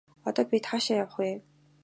Одоо бид хаашаа явах вэ?